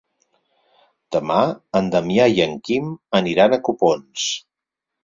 Demà en Damià i en Quim aniran a Copons.